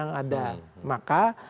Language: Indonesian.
maka para pedagang kaki lima diperhatikan